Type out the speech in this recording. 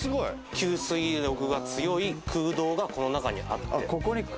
吸水力が強い空洞がこの中にあって。